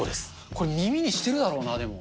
これ、耳にしてるだろうな、でも。